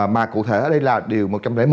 mà cụ thể ở đây là điều một trăm linh một